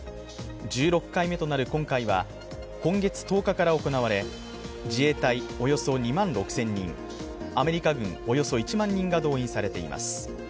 １６回目となる今回は、今月１０日から行われ、自衛隊およそ２万６０００人、アメリカ軍およそ１万人が動員されています。